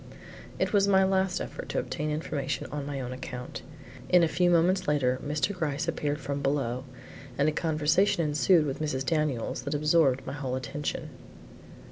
It was my last effort to obtain information on my own account. In a few moments later Mr. Gryce appeared from below, and a conversation ensued with Mrs. Daniels that absorbed my whole attention.